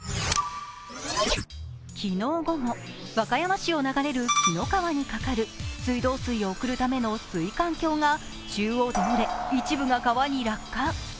昨日午後、和歌山市を流れる紀の川にかかる水道水を送るための水管橋が一部が川に落下。